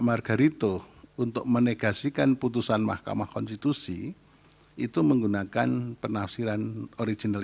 margarito untuk menegasikan putusan mahkamah konstitusi itu menggunakan penafsiran original